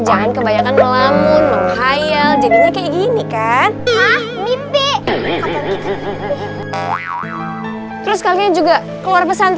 jangan kebanyakan melamun menghayal jadinya kayak gini kan minde terus kalian juga keluar pesantren